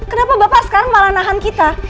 kenapa bapak sekarang malah nahan kita